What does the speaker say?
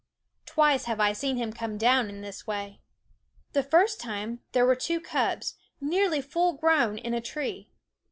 Twice have I seen him come down in this way. The first time there were two cubs, nearly full grown, in a tree.